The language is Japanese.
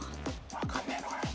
分かんねえのかよ。